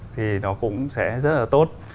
thì nó cũng sẽ rất là tốt